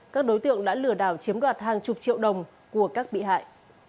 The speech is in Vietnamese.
các đối tượng đã lừa đảo chiếm đoạt hàng chục triệu đồng của các bị hại